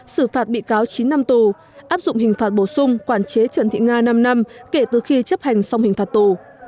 xử phạt bị cáo chín năm tù áp dụng hình phạt bổ sung quản chế trần thị nga năm năm kể từ khi chấp hành xong hình phạt tù